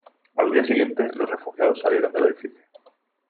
Al día siguiente, los refugiados salieron del edificio.